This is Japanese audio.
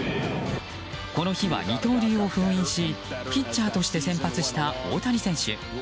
この日は二刀流を封印してピッチャーとして先発した大谷選手。